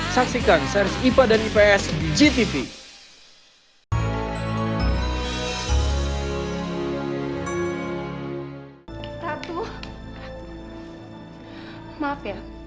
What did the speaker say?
saksikan series ipa dan ips di gtv